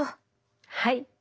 はい。